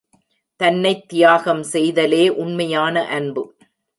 தன்னைத் தியாகம் செய்தலே உண்மையான அன்பு.